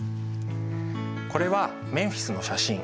これはメンフィスの写真。